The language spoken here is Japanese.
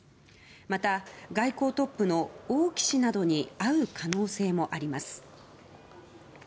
また、外交トップの王毅氏などに会う可能性もあります。